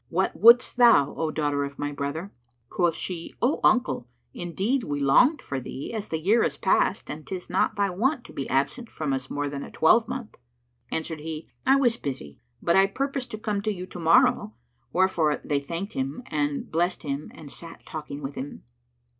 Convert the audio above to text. What wouldst thou, O daughter of my brother?" Quoth she, "O uncle, indeed we longed for thee, as the year is past and 'tis not thy wont to be absent from us more than a twelvemonth." Answered he, "I was busy, but I purposed to come to you to morrow." Wherefore they thanked him and blessed him and sat talking with him.